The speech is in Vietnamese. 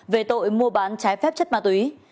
về tội mua bán trái phép chất ma túy